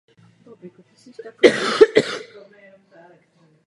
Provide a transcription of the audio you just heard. Jsme hlavním poskytovatelem rozvojové a humanitární pomoci.